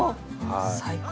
最高。